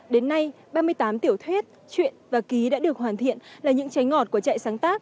đến nay ba mươi tám tiểu thuyết chuyện và ký đã được hoàn thiện là những trái ngọt của trại sáng tác